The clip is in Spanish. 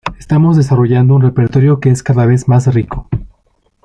Estamos desarrollando un repertorio que es cada vez más rico".